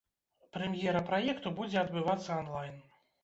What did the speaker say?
Прэм'ера праекту будзе адбывацца анлайн.